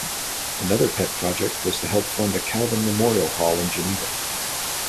Another pet project was to help fund a Calvin memorial hall in Geneva.